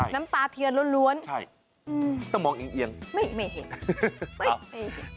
น้ำตาเทียนล้วนใช่ต้องมองเอียงไม่เห็น